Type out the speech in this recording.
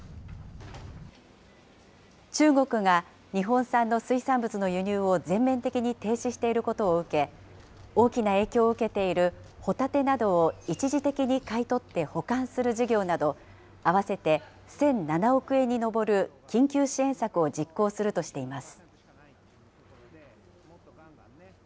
中国が日本産の水産物の輸入を全面的に停止していることを受け、大きな影響を受けているホタテなどを一時的に買い取って保管する事業など、合わせて１００７億円に上る緊急支援策を実行するとしています。